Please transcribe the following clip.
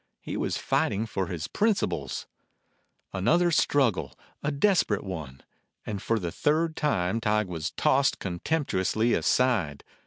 He was fighting for his principles. Another struggle, a desperate one; and for the third time Tige was tossed contemptu ously aside.